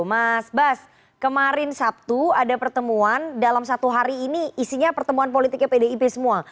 mas bas kemarin sabtu ada pertemuan dalam satu hari ini isinya pertemuan politiknya pdip semua